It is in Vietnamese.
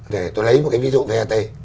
để tôi lấy một cái ví dụ vat